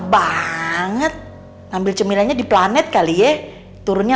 banget ngambil cemilanya di planet kali ye turunnya